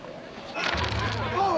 ああ。